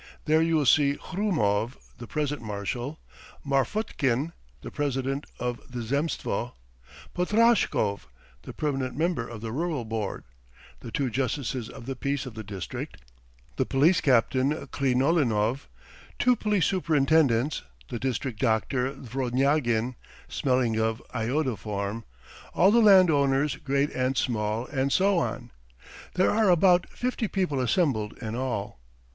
There you will see Hrumov the present marshal, Marfutkin, the president of the Zemstvo, Potrashkov, the permanent member of the Rural Board, the two justices of the peace of the district, the police captain, Krinolinov, two police superintendents, the district doctor, Dvornyagin, smelling of iodoform, all the landowners, great and small, and so on. There are about fifty people assembled in all.